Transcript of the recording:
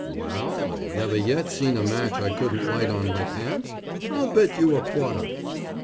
"Wal I never yet seen a match I couldn't light on my pants. I'll bet you a quarter."